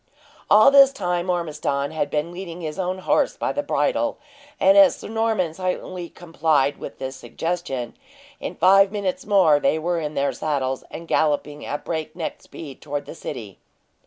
All this time Ormiston had been leading his own horse by the bridle, and as Sir Norman silently complied with this suggestion, in five minutes more they were in their saddles, and galloping at break neck speed toward the city.